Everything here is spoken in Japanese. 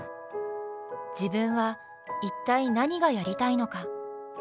自分は一体何がやりたいのか。